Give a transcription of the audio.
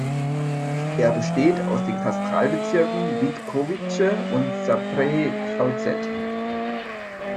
Er besteht aus den Katastralbezirken Vítkovice und Zábřeh-VŽ.